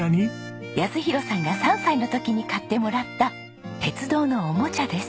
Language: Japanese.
泰弘さんが３歳の時に買ってもらった鉄道のおもちゃです。